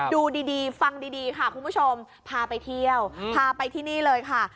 ดูดีฟังดีค่ะคุณผู้ชมพาไปเที่ยวพาไปที่นี่เลยค่ะ